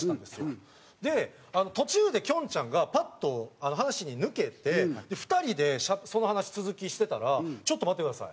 で途中できょんちゃんがパッと話抜けて２人でその話続きしてたら「ちょっと待ってください」